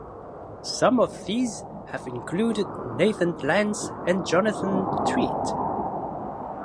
Some of these have included Nathan Lents and Jonathan Tweet.